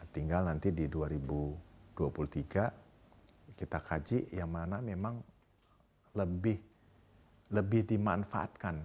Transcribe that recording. tinggal nanti di dua ribu dua puluh tiga kita kaji yang mana memang lebih dimanfaatkan